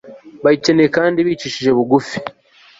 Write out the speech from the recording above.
bayikeneye kandi bicishije bugufi